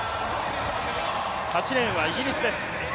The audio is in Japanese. ８レーンはイギリスです。